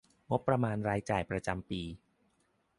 งบประมาณรายจ่ายประจำปี